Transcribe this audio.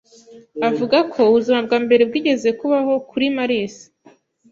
Avuga ko ubuzima bwa mbere bwigeze kubaho kuri Mars.